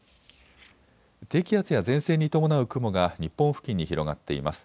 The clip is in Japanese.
低気圧や前線に伴う雲が日本付近に広がっています。